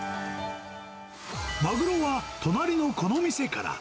マグロは隣のこの店から。